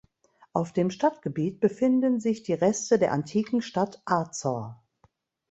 Auf dem Stadtgebiet befinden die Reste der antiken Stadt Azor.